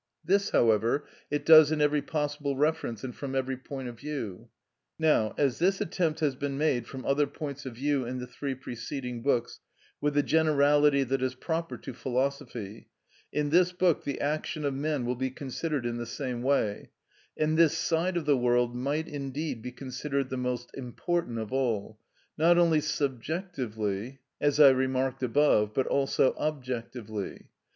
This, however, it does in every possible reference and from every point of view. Now, as this attempt has been made from other points of view in the three preceding books with the generality that is proper to philosophy, in this book the action of men will be considered in the same way; and this side of the world might, indeed, be considered the most important of all, not only subjectively, as I remarked above, but also objectively.